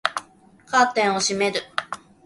カーテンを閉める